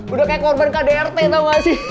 udah kayak korban kdrt tau gak sih